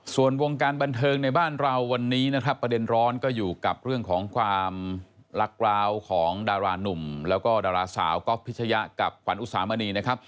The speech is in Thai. ส่วนวงการบันเทิงในบ้านเราวันนี้นะครับประเด็นร้อนก็อยู่กับเรื่องของความรักร้าวของดารานุ่มแล้วก็ดาราสาวก๊อฟพิชยะกับขวัญอุสามณีนะครับ